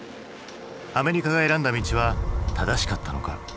アメリカが選んだ道は正しかったのか？